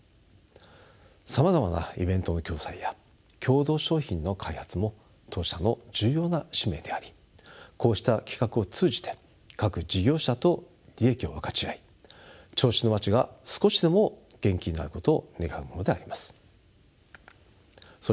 さまざまなイベントの共催や共同商品の開発も当社の重要な使命でありこうした企画を通じて各事業者と利益を分かち合い銚子の街が少しでも元気になることを願うものであります。